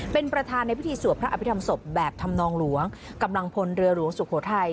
เป็นประธานในพิธีสวดพระอภิษฐรรมศพแบบธรรมนองหลวงกำลังพลเรือหลวงสุโขทัย